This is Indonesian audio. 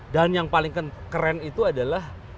dan yang paling keren itu adalah